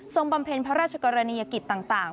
บำเพ็ญพระราชกรณียกิจต่าง